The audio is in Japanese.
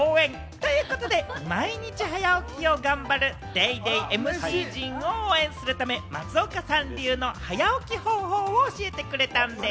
ということで毎日早起きを頑張る『ＤａｙＤａｙ．』のＭＣ陣を応援するため、松岡さん流の早起き方法を教えてくれたんでぃす。